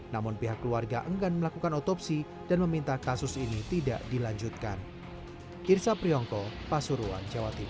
namun pihak keluarga enggan melakukan otopsi dan meminta kasus ini tidak dilanjutkan